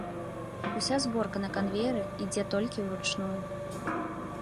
Уся зборка на канвееры ідзе толькі ўручную.